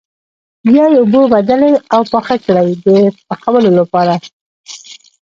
بیا یې اوبه بدلې او پاخه کړئ د پخولو لپاره.